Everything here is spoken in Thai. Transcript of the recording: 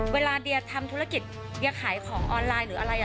เวลาเดียทำธุรกิจเดียขายของออนไลน์หรืออะไร